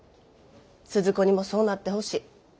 鈴子にもそうなってほしい。